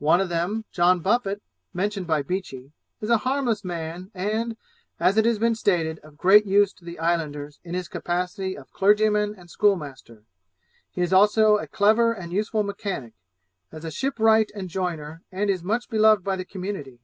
One of them, John Buffet, mentioned by Beechey, is a harmless man, and, as it has been stated, of great use to the islanders in his capacity of clergyman and schoolmaster; he is also a clever and useful mechanic, as a ship wright and joiner, and is much beloved by the community.